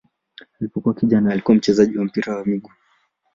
Alipokuwa kijana alikuwa mchezaji wa mpira wa miguu.